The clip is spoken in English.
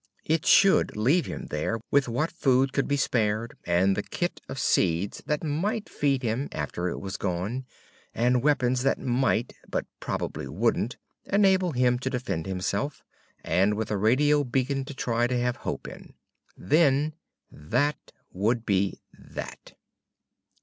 It should leave him there with what food could be spared, and the kit of seeds that might feed him after it was gone, and weapons that might but probably wouldn't enable him to defend himself, and with a radio beacon to try to have hope in. Then, that would be that.